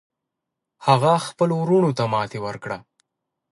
هغه خپلو وروڼو ته ماتې ورکړه.